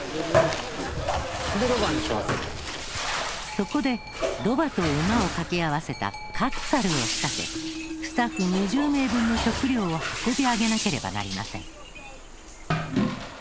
そこでロバとウマを掛け合わせたカッツァルを仕立てスタッフ２０名分の食料を運び上げなければなりません。